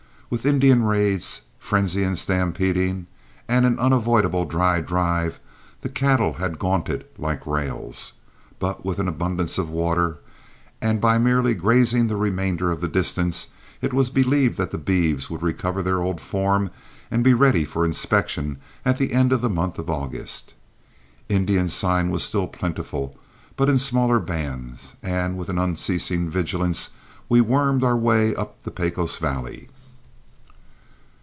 With Indian raids, frenzy in stampeding, and an unavoidable dry drive, the cattle had gaunted like rails. But with an abundance of water and by merely grazing the remainder of the distance, it was believed that the beeves would recover their old form and be ready for inspection at the end of the month of August. Indian sign was still plentiful, but in smaller bands, and with an unceasing vigilance we wormed our way up the Pecos valley.